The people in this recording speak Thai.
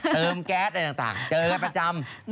แก๊สอะไรต่างเจอกันประจำ